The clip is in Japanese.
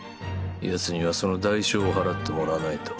ヤツにはその代償を払ってもらわないと。